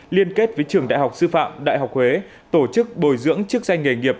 liên kết với trường đại học sư phạm đại học huế tổ chức bồi dưỡng chức danh nghề nghiệp